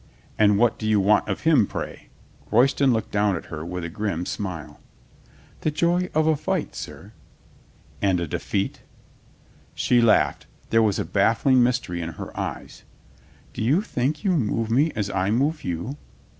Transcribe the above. "And what do you want of him, pray ?" Royston looked down at her with a grim smile. "The joy of a fight, sir." "And a defeat?" 204 COLONEL GREATHEART She laughed. There was a baffling mystery in her eyes. "Do you think you move me as I move you?"